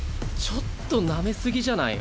ちょっとなめ過ぎじゃない？